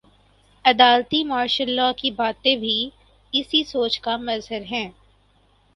عدالتی martial law کی باتیں بھی اسی سوچ کا مظہر ہیں۔